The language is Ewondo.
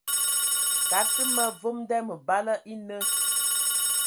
Kad tə ma vom nda məbala e nə.